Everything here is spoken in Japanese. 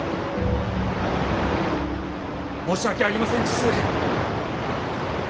申し訳ありません父上！